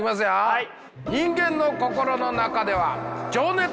はい。